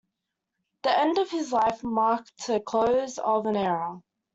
The end of his life marked the close of an era.